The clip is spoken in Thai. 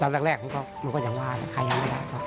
ตอนแรกก็มันก็อย่างว่าใช้อย่างไร